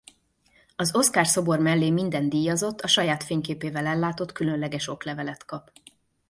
Az Oscar szobor mellé minden díjazott a saját fényképével ellátott különleges oklevelet kap.